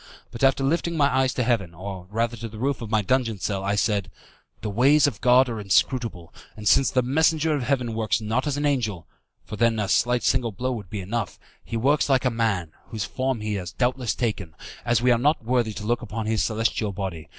But after lifting my eyes to heaven, or rather to the roof of my dungeon cell, I said, "The ways of God are inscrutable; and since the messenger of Heaven works not as an angel (for then a slight single blow would be enough), he works like a man, whose form he has doubtless taken, as we are not worthy to look upon his celestial body.